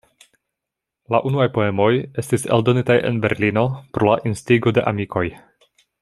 La unuaj poemoj estis eldonitaj en Berlino pro la instigo de amikoj.